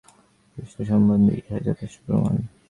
আমি এই জগৎ দেখিতেছি, উহার অস্তিত্ব সম্বন্ধে ইহাই যথেষ্ট প্রমাণ।